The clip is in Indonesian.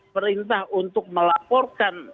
perintah untuk melaporkan